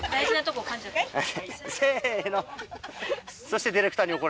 せの。